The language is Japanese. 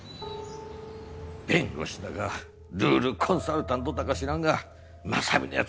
弁護士だかルールコンサルタントだか知らんが正美の奴